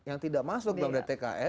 yang tidak masuk dalam dtks